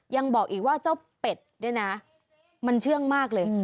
ยังบอกอีกว่าเจ้าเป็ดเนี่ยนะมันเชื่องมากเลย